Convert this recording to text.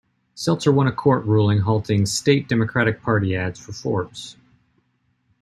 Seltzer won a court ruling halting state Democratic Party ads for Forbes.